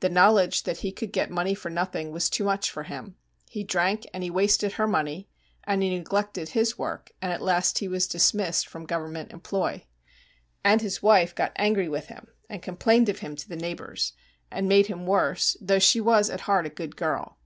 The knowledge that he could get money for nothing was too much for him. He drank and he wasted her money, and he neglected his work, and at last he was dismissed from Government employ. And his wife got angry with him, and complained of him to the neighbours; and made him worse, though she was at heart a good girl.